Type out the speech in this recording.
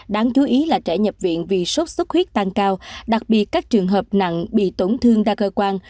đáng chú ý là trẻ nhập viện vì sốt xuất huyết tăng cao đặc biệt các trường hợp nặng bị tổn thương đa cơ quan